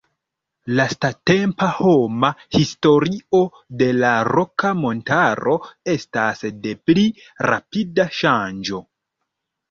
Lastatempa homa historio de la Roka Montaro estas de pli rapida ŝanĝo.